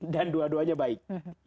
dan dua duanya baik